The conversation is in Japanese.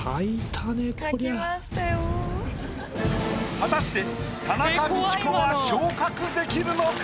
果たして田中道子は昇格できるのか？